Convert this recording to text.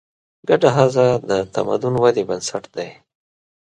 ګډه هڅه د تمدن ودې بنسټ دی.